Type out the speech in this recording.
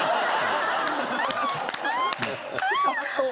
そう。